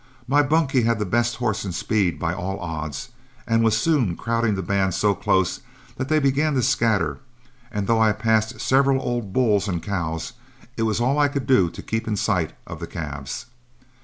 My bunkie had the best horse in speed by all odds, and was soon crowding the band so close that they began to scatter, and though I passed several old bulls and cows, it was all I could do to keep in sight of the calves.